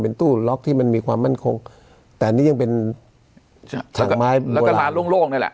เป็นตู้ล็อกที่มันมีความมั่นคงแต่นี่ยังเป็นถังไม้แล้วก็ร้านโล่งโล่งนั่นแหละ